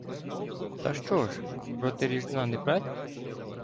Та що ж? — проти ріжна не прать.